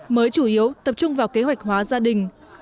mới chủ yếu tập trung vào kế hoạch hóa gia đình